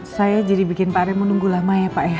saya jadi bikin pak raymond nunggu lama ya pak ya